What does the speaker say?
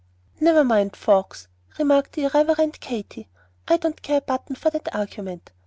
"Never mind folks," remarked the irreverent Katy. "I don't care a button for that argument.